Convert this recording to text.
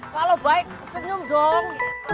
kalau baik senyum dong